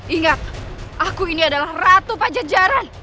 ingat aku ini adalah ratu pajajaran